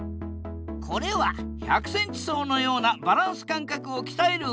これは１００ｃｍ走のようなバランス感覚をきたえる